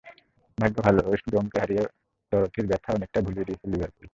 ভাগ্য ভালো, ওয়েস্ট ব্রমকে হারিয়ে ডরোথির ব্যথা অনেকটাই ভুলিয়ে দিয়েছে লিভারপুল।